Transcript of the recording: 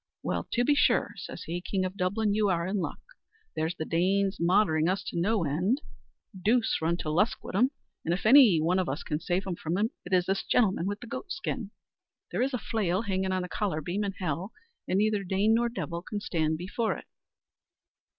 "Well, to be sure!" says he, "King of Dublin, you are in luck. There's the Danes moidhering us to no end. Deuce run to Lusk wid 'em! and if any one can save us from 'em, it is this gentleman with the goat skin. There is a flail hangin' on the collar beam in hell, and neither Dane nor devil can stand before it."